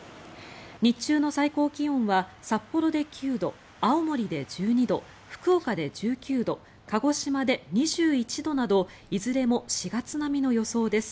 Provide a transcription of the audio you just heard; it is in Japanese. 日中の最高気温は札幌で９度、青森で１２度福岡で１９度鹿児島で２１度などいずれも４月並みの予想です。